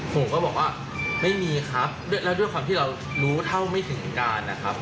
ผมก็บอกว่าไม่มีครับแล้วด้วยความที่เรารู้เท่าไม่ถึงการนะครับ